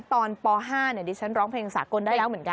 ตอนป๕ดีฉันร้องเพลงศาลชีวิตแล้วเหมือนกัน